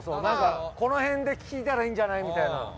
なんかこの辺で聞いたらいいんじゃないみたいな。